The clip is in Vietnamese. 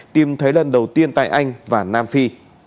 tìm thấy lần đầu tiên tại anh và nam phi